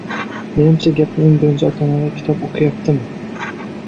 Menimcha, gapni eng birinchi “Ota-onalar kitob o‘qiyaptimi?”